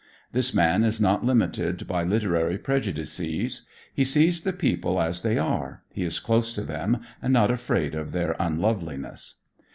This man is not limited by literary prejudices: he sees the people as they are, he is close to them and not afraid of their unloveliness.